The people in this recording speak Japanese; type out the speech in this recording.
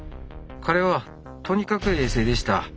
彼はとにかく冷静でした。